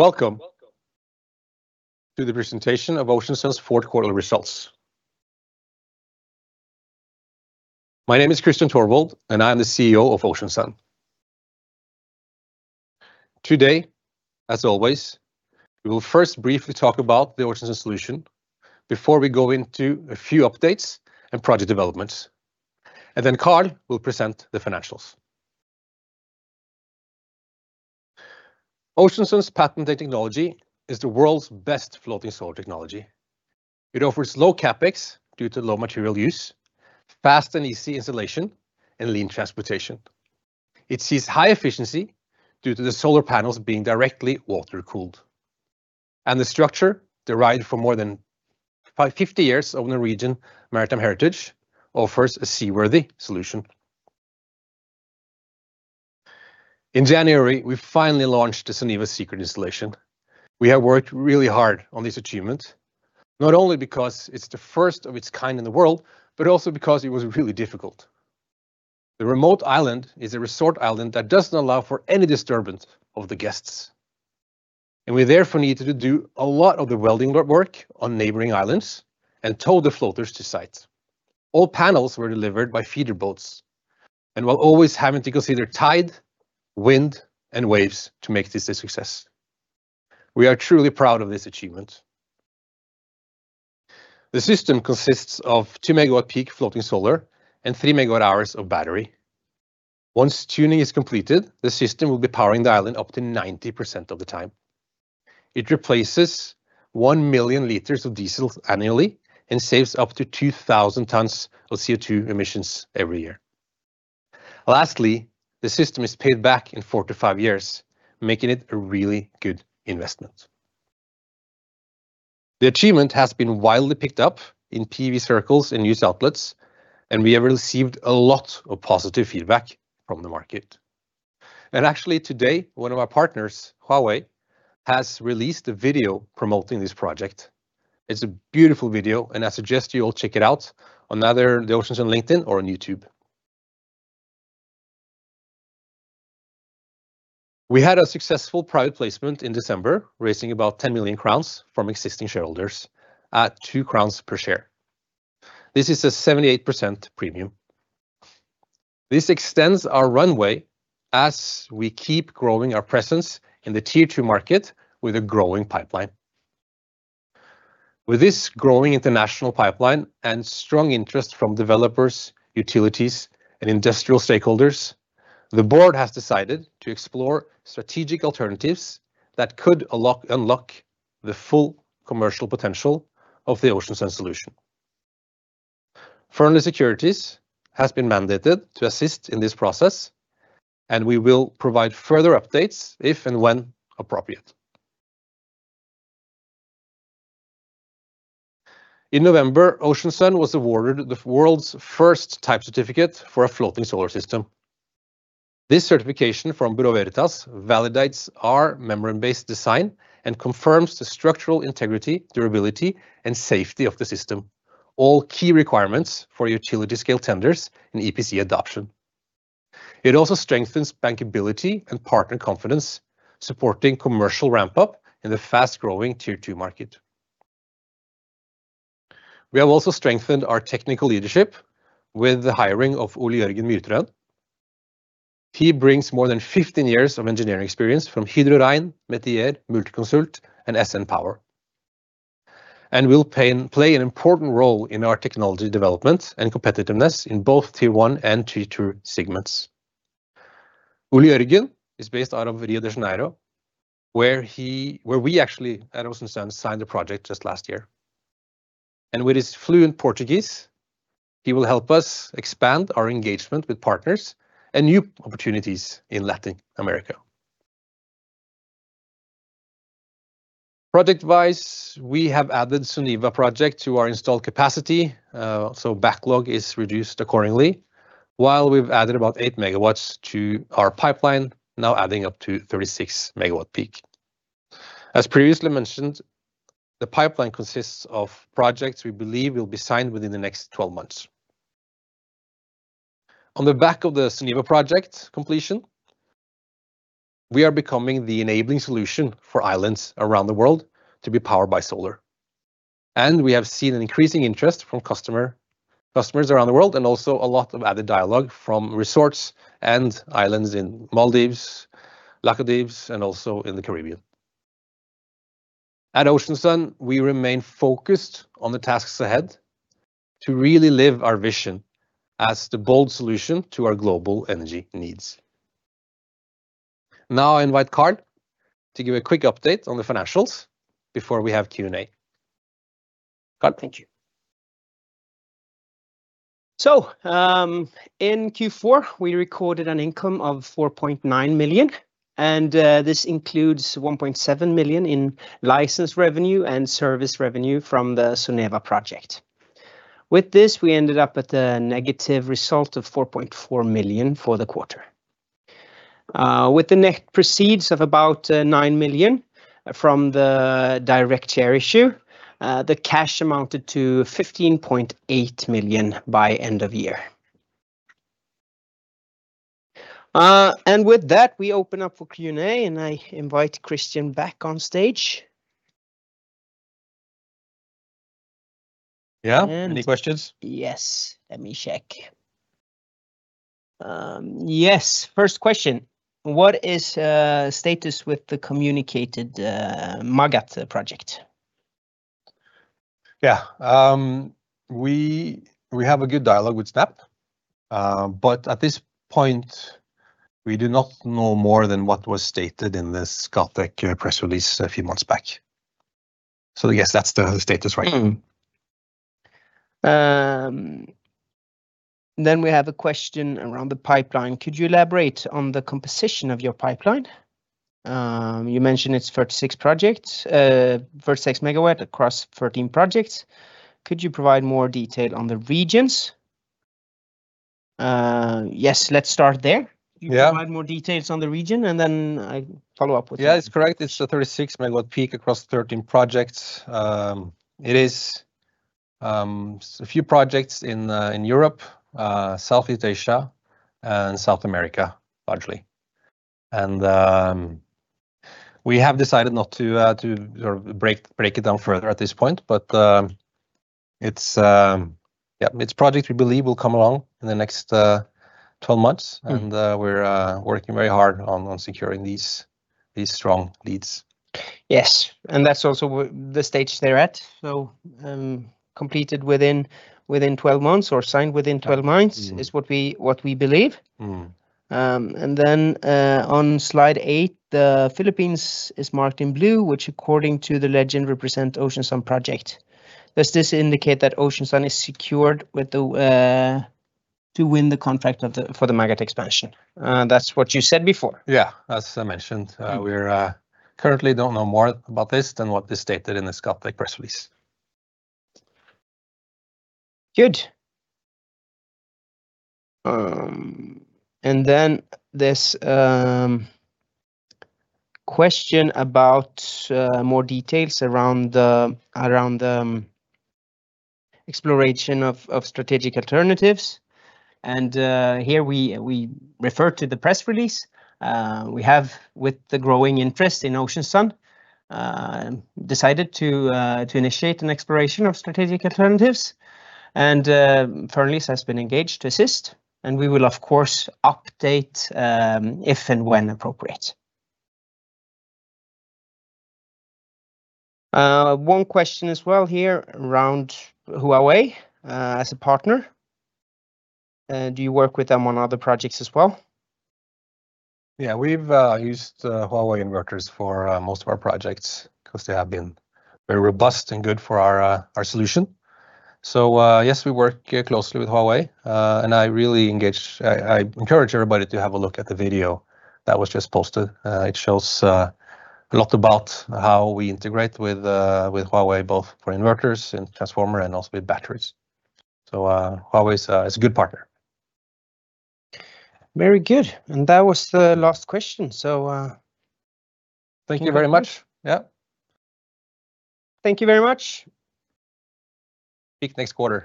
Welcome to the presentation of Ocean Sun's fourth quarterly results. My name is Kristian Tørvold, and I'm the CEO of Ocean Sun. Today, as always, we will first briefly talk about the Ocean Sun solution before we go into a few updates and project developments, and then Karl will present the financials. Ocean Sun's patented technology is the world's best floating solar technology. It offers low capex due to low material use, fast and easy installation, and lean transportation. It sees high efficiency due to the solar panels being directly water-cooled, and the structure derived from more than 50 years of the region's maritime heritage offers a seaworthy solution. In January, we finally launched the Soneva Secret installation. We have worked really hard on this achievement, not only because it's the first of its kind in the world, but also because it was really difficult. The remote island is a resort island that doesn't allow for any disturbance of the guests, and we therefore needed to do a lot of the welding work on neighboring islands and tow the floaters to site. All panels were delivered by feeder boats, and while always having to consider tide, wind, and waves to make this a success. We are truly proud of this achievement. The system consists of 2 MWp floating solar and 3 MWh of battery. Once tuning is completed, the system will be powering the island up to 90% of the time. It replaces 1,000,000 L of diesel annually and saves up to 2,000 tons of CO2 emissions every year. Lastly, the system is paid back in 4-5 years, making it a really good investment. The achievement has been widely picked up in PV circles and news outlets, and we have received a lot of positive feedback from the market. Actually, today, one of our partners, Huawei, has released a video promoting this project. It's a beautiful video, and I suggest you all check it out on either the Ocean Sun LinkedIn or on YouTube. We had a successful private placement in December, raising about 10 million crowns from existing shareholders at 2 crowns per share. This is a 78% premium. This extends our runway as we keep growing our presence in the Tier 2 market with a growing pipeline. With this growing international pipeline and strong interest from developers, utilities, and industrial stakeholders, the board has decided to explore strategic alternatives that could unlock the full commercial potential of the Ocean Sun solution. Fearnley Securities has been mandated to assist in this process, and we will provide further updates if and when appropriate. In November, Ocean Sun was awarded the world's first type certificate for a floating solar system. This certification from Bureau Veritas validates our membrane-based design and confirms the structural integrity, durability, and safety of the system, all key requirements for utility-scale tenders and EPC adoption. It also strengthens bankability and partner confidence, supporting commercial ramp-up in the fast-growing Tier 2 market. We have also strengthened our technical leadership with the hiring of Ole-Jørgen Myrtrøen. He brings more than 15 years of engineering experience from Hydro Rein, Metier, Multiconsult, and SN Power, and will play an important role in our technology development and competitiveness in both Tier 1 and Tier 2 segments. Ole-Jørgen is based out of Rio de Janeiro, where we actually at Ocean Sun signed the project just last year. With his fluent Portuguese, he will help us expand our engagement with partners and new opportunities in Latin America. Project-wise, we have added the Soneva Secret project to our installed capacity, so backlog is reduced accordingly, while we've added about 8 MW to our pipeline, now adding up to 36 MWp. As previously mentioned, the pipeline consists of projects we believe will be signed within the next 12 months. On the back of the Soneva Secret project completion, we are becoming the enabling solution for islands around the world to be powered by solar, and we have seen an increasing interest from customers around the world and also a lot of added dialogue from resorts and islands in Maldives, Lakshadweep, and also in the Caribbean. At Ocean Sun, we remain focused on the tasks ahead to really live our vision as the bold solution to our global energy needs. Now I invite Karl to give a quick update on the financials before we have Q&A. Karl. Thank you. So in Q4, we recorded an income of 4.9 million, and this includes 1.7 million in license revenue and service revenue from the Soneva Secret project. With this, we ended up at a negative result of 4.4 million for the quarter. With the net proceeds of about 9 million from the direct share issue, the cash amounted to 15.8 million by end of year. And with that, we open up for Q&A, and I invite Kristian back on stage. Yeah, any questions? Yes, let me check. Yes, first question. What is status with the communicated Magat project? Yeah, we have a good dialogue with SNAP, but at this point, we do not know more than what was stated in the Scatec press release a few months back. So yes, that's the status right now. Then we have a question around the pipeline. Could you elaborate on the composition of your pipeline? You mentioned it's 36 MW across 13 projects. Could you provide more detail on the regions? Yes, let's start there. You can provide more details on the region, and then I follow up with you. Yeah, it's correct. It's a 36 MWp across 13 projects. It is a few projects in Europe, Southeast Asia, and South America, largely. And we have decided not to break it down further at this point, but yeah, it's a project we believe will come along in the next 12 months, and we're working very hard on securing these strong leads. Yes, and that's also the stage they're at, so completed within 12 months or signed within 12 months is what we believe. And then on slide 8, the Philippines is marked in blue, which according to the legend represents the Ocean Sun project. Does this indicate that Ocean Sun is secured to win the contract for the Magat expansion? That's what you said before. Yeah, as I mentioned, we currently don't know more about this than what is stated in the Scatec press release. Good. And then this question about more details around the exploration of strategic alternatives. And here we refer to the press release. We have, with the growing interest in Ocean Sun, decided to initiate an exploration of strategic alternatives, and Fearnley has been engaged to assist, and we will, of course, update if and when appropriate. One question as well here around Huawei as a partner. Do you work with them on other projects as well? Yeah, we've used Huawei inverters for most of our projects because they have been very robust and good for our solution. So yes, we work closely with Huawei, and I encourage everybody to have a look at the video that was just posted. It shows a lot about how we integrate with Huawei, both for inverters and transformer and also with batteries. So Huawei is a good partner. Very good. And that was the last question, so. Thank you very much. Yeah. Thank you very much. Speak next quarter.